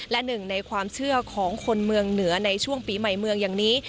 และหนึ่งในความเชื่อของคนเมืองเหนือในช่วงปีใหม่เมืองอย่างนี้